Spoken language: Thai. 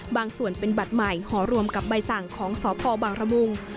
บางส่วนเป็นบัตรใหม่หอรวมกับใบสั่งของสพบางระมุง